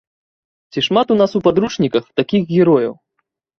Ці шмат у нас у падручніках такіх герояў?